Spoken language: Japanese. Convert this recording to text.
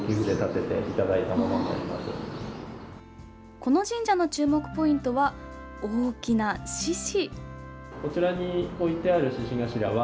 この神社の注目ポイントは大きな獅子。